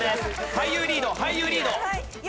俳優リード俳優リード。